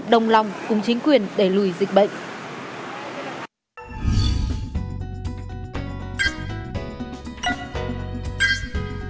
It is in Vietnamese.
đồng lòng cùng chính quyền để lùi dịch bệnh